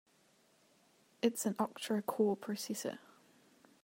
It's an octa-core processor.